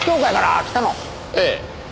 ええ。